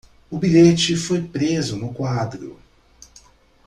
O bilhete foi preso no quadro